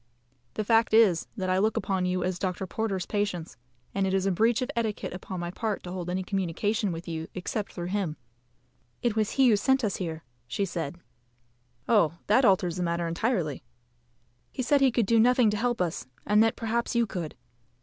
"The fact is, that I look upon you as Dr. Porter's patients, and it is a breach of etiquette upon my part to hold any communication with you except through him." "It was he who sent us here," said she. "Oh, that alters the matter entirely." "He said he could do nothing to help us, and that perhaps you could."